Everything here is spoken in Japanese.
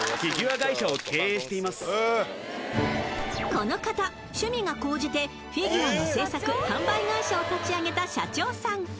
この方趣味が高じてフィギュアの制作・販売会社を立ち上げた社長さん